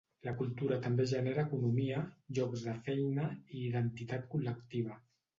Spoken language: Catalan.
La cultura també genera economia, llocs de feina i identitat col·lectiva.